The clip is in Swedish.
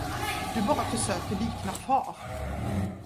Du bara försöker likna far.